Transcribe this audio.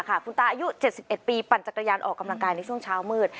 คุณตาอายุ๗๑ปีปั่นจักรยานออกกำลังกายในช่วงเช้ามืด